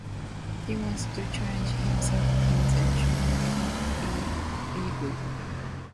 He wants to challenge himself in the National Rugby League.